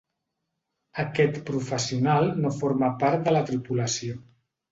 Aquest professional no forma part de la tripulació.